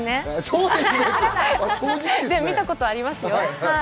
見たことはありますけど。